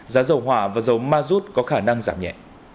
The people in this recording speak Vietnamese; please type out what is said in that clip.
giá dầu hỏa và dầu mazut có khả năng giảm nhẹ